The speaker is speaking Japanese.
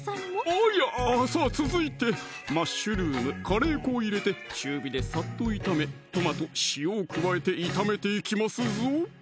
あぁいやさぁ続いてマッシュルーム・カレー粉を入れて中火でさっと炒めトマト・塩を加えて炒めていきますぞ